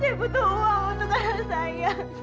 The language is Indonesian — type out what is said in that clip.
dia butuh uang untuk anak saya